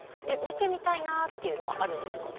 見てみたいなあっていうのはあるんですか？